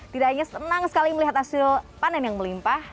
tidak hanya senang sekali melihat hasil panen yang melimpah